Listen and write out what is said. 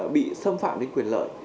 bị xâm phạm đến quyền lợi